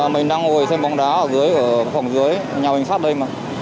mình đang ngồi xem bóng đá ở phòng dưới nhà bình sát đây